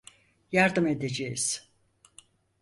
Yardım edeceğiz.